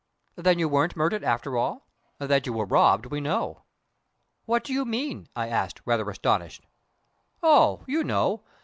Then you weren't murdered, after all? That you were robbed, we know!" "What do you mean?" I asked, rather astonished. "Oh, you know!